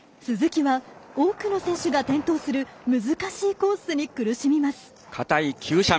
鈴木は多くの選手が転倒する難しいコースに苦しみます。